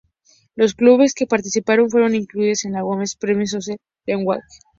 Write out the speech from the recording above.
Los clubes que participaban fueron incluidos en la Women's Premier Soccer League.